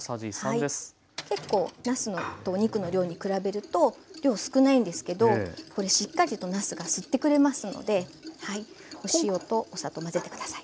結構なすとお肉の量に比べると量少ないんですけどこれしっかりとなすが吸ってくれますのでお塩とお砂糖混ぜて下さい。